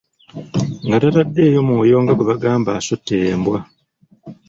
Nga tataddeyo mwoyo nga gwe bagamba asottera embwa!